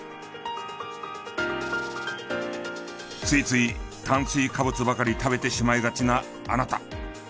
ついつい炭水化物ばかり食べてしまいがちなあなた。